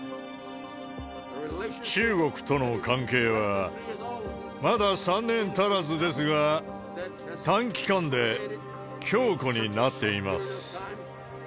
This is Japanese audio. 中国との関係はまだ３年足らずですが、短期間で強固になっています。